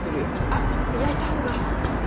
あっ焼いた方が。